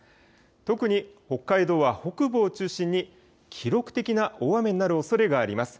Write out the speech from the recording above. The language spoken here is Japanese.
特に北海道は北部を中心に記録的な大雨になるおそれがあります。